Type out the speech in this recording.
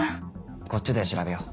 こっちで調べよう。